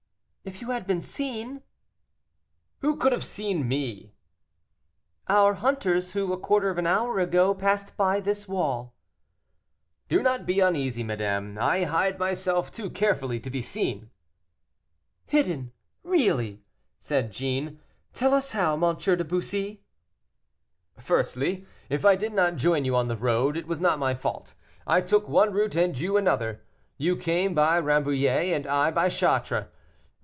"If you had been seen?" "Who could have seen me?" "Our hunters, who, a quarter of an hour ago, passed by this wall." "Do not be uneasy, madame, I hide myself too carefully to be seen." "Hidden! really!" said Jeanne, "tell us how, M. de Bussy." "Firstly, if I did not join you on the road, it was not my fault, I took one route and you another. You came by Rambouillet, and I by Chartres.